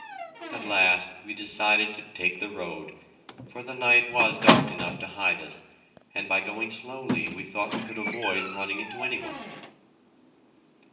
At last we decided to take the road, for the night was dark enough to hide us, and by going slowly we thought we could avoid running into any one.